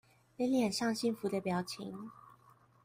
妳臉上幸福的表情